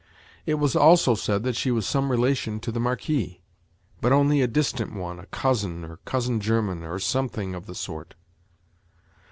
It was also said that she was some relation to the Marquis, but only a distant one a cousin, or cousin german, or something of the sort.